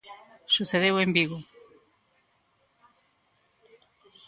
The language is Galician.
Sucedeu en Vigo.